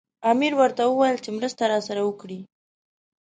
امیر ورته وویل چې مرسته راسره وکړي.